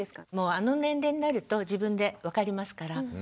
あの年齢になると自分で分かりますから。